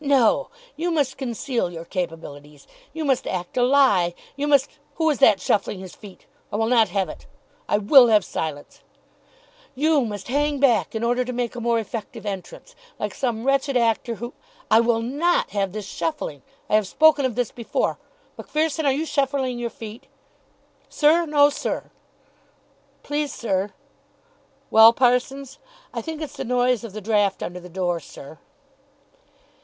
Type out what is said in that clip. "No, you must conceal your capabilities. You must act a lie. You must who is that shuffling his feet? I will not have it, I will have silence you must hang back in order to make a more effective entrance, like some wretched actor who I will not have this shuffling. I have spoken of this before. Macpherson, are you shuffling your feet?" "Sir, no, sir." "Please, sir." "Well, Parsons?" "I think it's the noise of the draught under the door, sir."